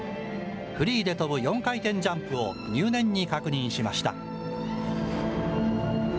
フリーで跳ぶ４回転ジャンプを入念に確認しました。